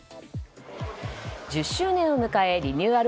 １０周年を迎えリニューアル